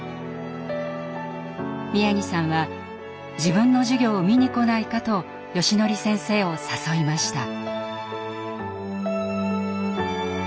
宮城さんは自分の授業を見に来ないかとよしのり先生を誘いました。